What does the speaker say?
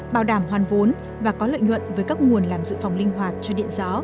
bảo đảm hoàn vốn và có lợi nhuận với các nguồn làm dự phòng linh hoạt cho điện gió